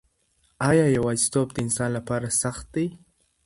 آیا یوازیتوب د انسان لپاره سخت دی؟